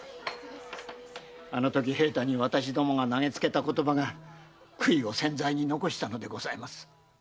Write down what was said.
あのとき平太に私どもが投げつけた言葉が悔いを千載に残したのでございます。